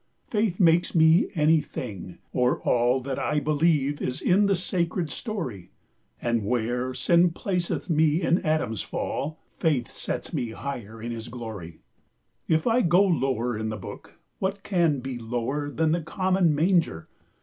Faith makes me any thing, or all That I beleeve is in the sacred storie : And where sinne placeth me in Adams fall, Faith sets me higher in his glorie. 20 If I go lower in the book, What can be lower then the common manger?